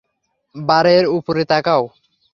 বারের উপরে তাকাও।